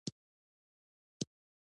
د کونړ سيند اوبه ډېرې دي